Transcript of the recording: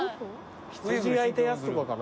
羊焼いたやつとかかな？